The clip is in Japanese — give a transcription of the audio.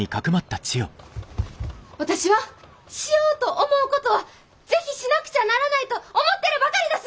私はしようと思うことは是非しなくちゃならないと思ってるばかりだす！